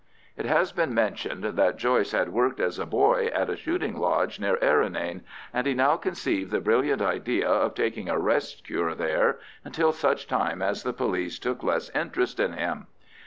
It has been mentioned that Joyce had worked as a boy at a shooting lodge near Errinane, and he now conceived the brilliant idea of taking a rest cure there until such time as the police took less interest in him.